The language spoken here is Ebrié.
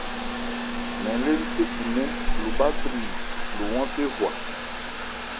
Mɛn lê ńthékhunɛ́n lo bhá lri lo hwánthe hwa.